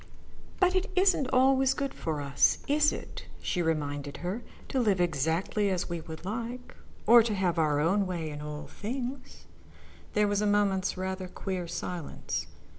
"But it isn't always good for us, is it," she reminded her, "to live exactly as we would like, or to have our own way in all things?" There was a moment's rather queer silence.